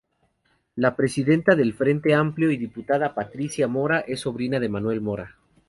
La presidenta del Frente Amplio y diputada Patricia Mora es sobrina de Manuel Mora.